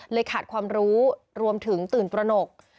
ขาดความรู้รวมถึงตื่นตระหนก